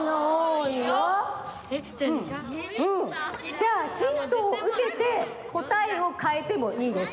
じゃあヒントをうけてこたえをかえてもいいです。